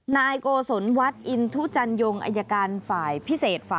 นายโกศลวัสอินทุจัญฯอัยการฝ่ายพิเศษ